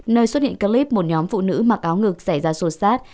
nơi xuất hiện clip một nhóm phụ nữ mặc áo ngực xảy ra sột sát